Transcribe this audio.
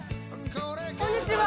こんにちは。